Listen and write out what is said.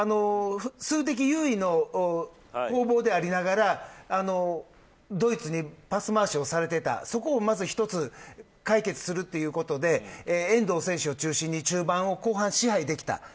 数的有利の攻防でありながらドイツにパス回しをされていたところそこを一つ解決することで遠藤選手を中心に中盤後半を支配できた。